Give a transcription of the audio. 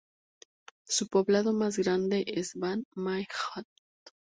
Su poblado más grande es Ban Mae Hat.